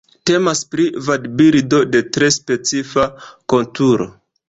Temas pri vadbirdo de tre specifa konturo.